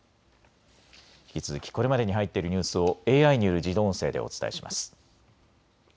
引き続きこれまでに入っているニュースをＡＩによる自動音声でお伝えします。